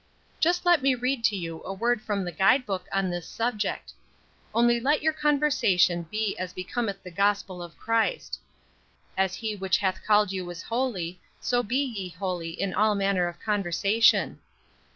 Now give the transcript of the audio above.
"Just let me read you a word from the Guide book on this subject: 'Only let your conversation be as becometh the Gospel of Christ.' 'As he which hath called you is holy, so be ye holy in all manner of conversation.'